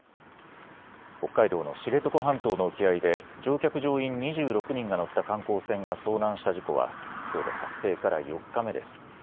北海道の知床半島の沖合で乗客・乗員２６人が乗った観光船が遭難した事故はきょうで発生から４日目です。